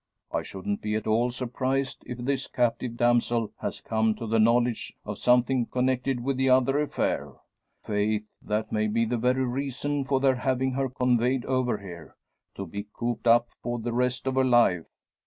I shouldn't be at all surprised if this captive damsel has come to the knowledge of something connected with the other affair. Faith, that may be the very reason for their having her conveyed over here, to be cooped up for the rest of her life.